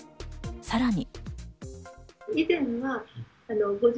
さらに。